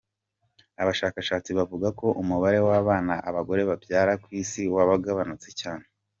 Abashakashatsi bavuga ko umubare w'abana abagore babyara ku isi wagabunutse cyane.